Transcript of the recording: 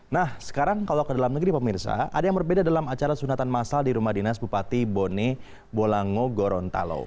nah sekarang kalau ke dalam negeri pemirsa ada yang berbeda dalam acara sunatan masal di rumah dinas bupati bone bolango gorontalo